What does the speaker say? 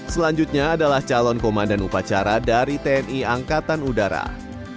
selanjutnya adalah calon komandan upacara dari tni angkatan udara